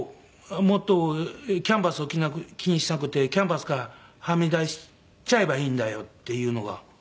もっとキャンバスを気にしなくてキャンバスからはみ出しちゃえばいいんだよ」っていうのが。